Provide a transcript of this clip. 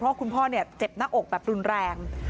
เพราะคุณพ่อเจ็บหน้าอกแบบรุนแรง